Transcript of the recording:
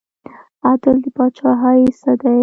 عدل د پاچاهۍ څه دی؟